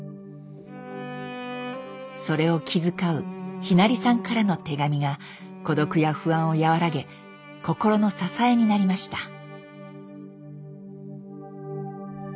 それを気遣うひなりさんからの手紙が孤独や不安を和らげ心の支えになりました。